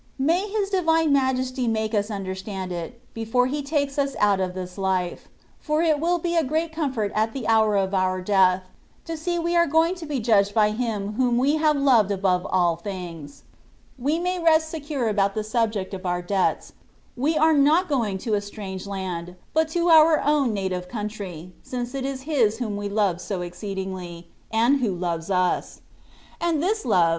May His Divine Majesty make us understand it, before He takes us out of this life ; for it will be a great comfort at the hour of our death, to see we are going to be judged by Him whom we have loved above all things : we may rest secure about the subject of our debts ; we are not going to a strange land, but to our own native country, since it is His whom we love so exceedingly, and who loves us : and this love 206 THE WAY OF PERFECTION.